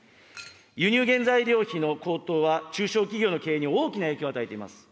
輸入原材料費の高騰は、中小企業の経営に大きな影響を与えています。